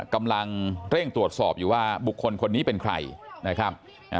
กำลังเร่งตรวจสอบอยู่ว่าบุคคลคนนี้เป็นใครนะครับ